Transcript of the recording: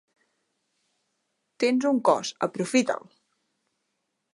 Tens un cos: aprofita'l!